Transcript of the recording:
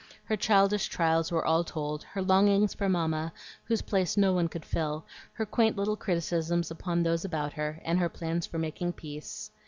Her childish trials were all told, her longings for Mamma, whose place no one could fill, her quaint little criticisms upon those about her, and her plans for making peace.